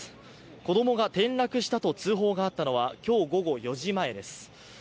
子供が転落したと通報があったのは今日午後４時前です。